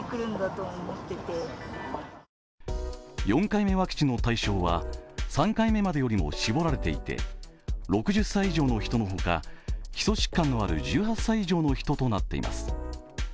４回目ワクチンの対象は３回目までより絞られていて６０歳以上の人のほか、基礎疾患のある１８歳以上の人となっています。